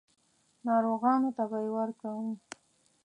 ناروغانو ته به یې ورکوم.